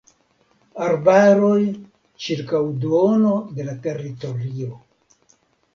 Arbaroj ĉirkaŭ duono de la teritorio.